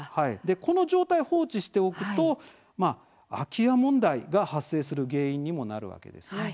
この状態を放置しておくと空き家問題が発生する原因にもなるわけです。